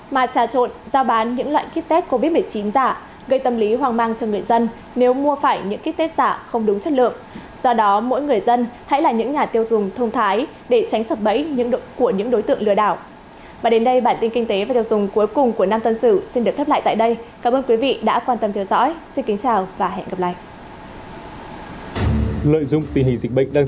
mà trà trộn giao bán những loại kit test covid một mươi chín giả